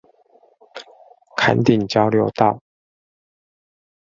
崁頂交流道